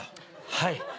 はい。